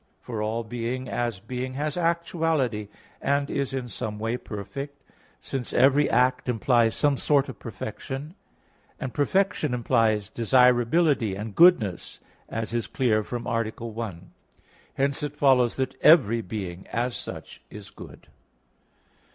For all being, as being, has actuality and is in some way perfect; since every act implies some sort of perfection; and perfection implies desirability and goodness, as is clear from A. 1. Hence it follows that every being as such is good.